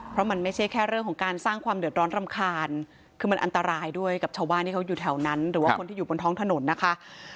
เพราะมันไม่ใช่แค่เรื่องของการสร้างความเดือดร้อนรำคาญคือมันอันตรายด้วยกับชาวบ้านที่เขาอยู่แถวนั้นหรือว่าคนที่อยู่บนท้องถนนนะคะ